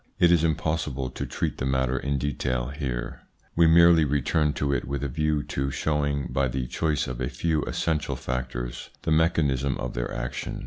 It is impossible to treat the matter in detail here. We merely return to it with a view to show ing, by the choice of a few essential factors, the mechanism of their action.